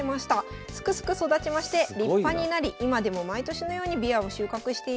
すくすく育ちまして立派になり今でも毎年のようにびわを収穫しています。